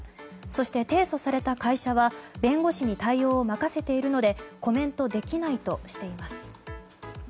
そして、提訴された会社は弁護士に対応を任せているのでコメントできないとしています。